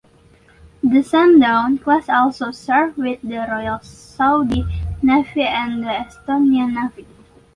The "Sandown" class also serve with the Royal Saudi Navy and the Estonian Navy.